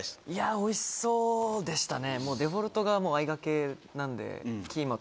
おいしそうでしたね。